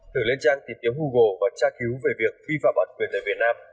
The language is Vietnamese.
thử lên trang tìm kiếm google và tra cứu về việc vi phạm bản quyền tại việt nam